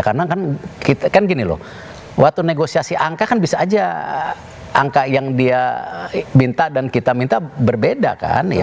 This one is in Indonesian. karena kan gini loh waktu negosiasi angka kan bisa aja angka yang dia minta dan kita minta berbeda kan